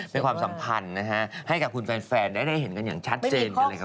เป็นความสัมภัณฑ์นะคะให้กับคุณแฟนได้เห็นกันอย่างชัดเจนก็เลยค่ะคุณผู้ชมค่ะ